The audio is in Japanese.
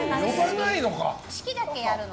式だけやるの。